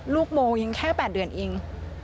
โมยิงแค่๘เดือนเอง